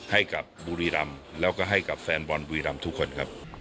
ให้กับบุรีรำแล้วก็ให้กับแฟนบอลบุรีรำทุกคนครับ